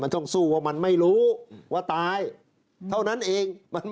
ต้องสู้ว่ามันไม่รู้ว่าตายเท่านั้นเอง